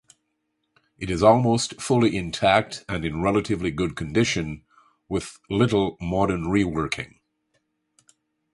It is almost fully intact and in relatively good condition with little modern reworking.